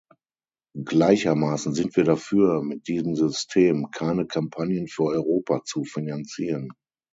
Gleichermaßen sind wir dafür, mit diesem System keine Kampagnen für Europa zu finanzieren.